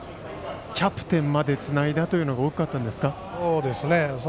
キャプテンまでつないだというのが大きかったんですか。